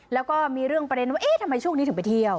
แล้วก็มีเรื่องประเด็นว่าเอ๊ะทำไมช่วงนี้ถึงไปเที่ยว